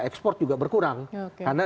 ekspor juga berkurang karena